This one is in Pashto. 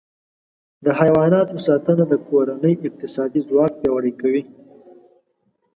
د حیواناتو ساتنه د کورنۍ اقتصادي ځواک پیاوړی کوي.